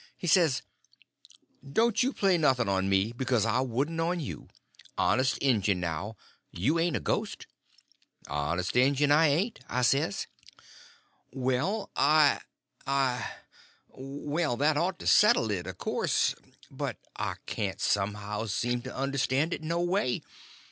He says: "Don't you play nothing on me, because I wouldn't on you. Honest injun now, you ain't a ghost?" "Honest injun, I ain't," I says. "Well—I—I—well, that ought to settle it, of course; but I can't somehow seem to understand it no way.